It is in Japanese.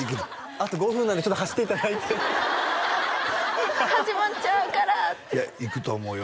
あと５分なんでちょっと走っていただいて始まっちゃうからいや行くと思うよ